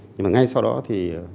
nhưng mà ngay sau đó thì